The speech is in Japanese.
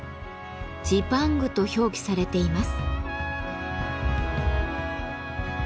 「ジパング」と表記されています。